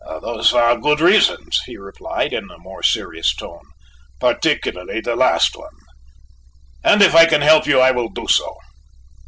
"Those are good reasons," he replied, in a more serious tone, "particularly the last one, and if I can help you, I will do so."